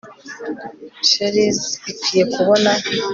Cheries ikwiye kubona